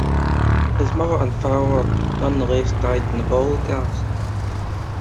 His mother and father nonetheless died in the Holocaust.